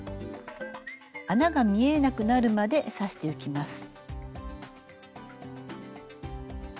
穴が見えなくなるまで刺していきます。